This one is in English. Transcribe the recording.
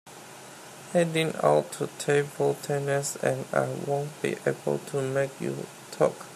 Heading out to table tennis and I won’t be able to make your talk.